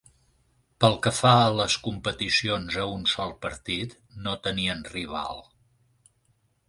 Pel que fa a les competicions a un sol partit, no tenien rival